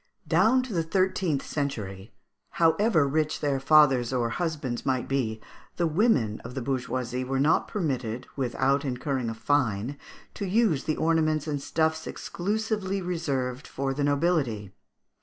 Down to the thirteenth century, however rich their fathers or husbands might be, the women of the bourgeoisie were not permitted, without incurring a fine, to use the ornaments and stuffs exclusively reserved for the nobility.